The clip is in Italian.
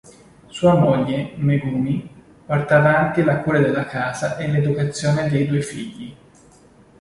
Sua moglie, Megumi, porta avanti la cura della casa e l'educazione dei due figli.